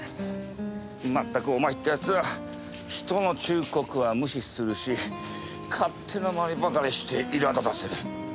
全くお前って奴は人の忠告は無視するし勝手な真似ばかりしていらだたせる。